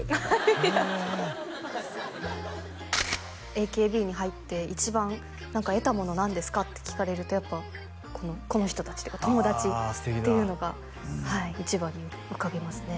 言うてた「ＡＫＢに入って一番得たもの何ですか？」って聞かれるとやっぱこの人達っていうか友達っていうのが一番に浮かびますね